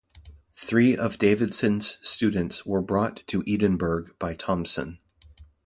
Three of Davidson’s students were brought to Edinburgh by Thomson.